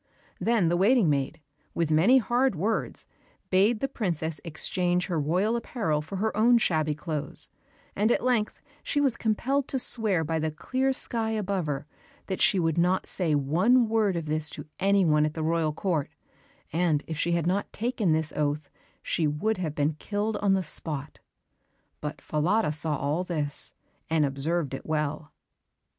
Then the waiting maid, with many hard words, bade the princess exchange her royal apparel for her own shabby clothes; and at length she was compelled to swear by the clear sky above her, that she would not say one word of this to any one at the royal court, and if she had not taken this oath she would have been killed on the spot. But Falada saw all this, and observed it well.